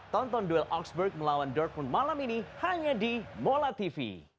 tonton duel oxford melawan dortmund malam ini hanya di mola tv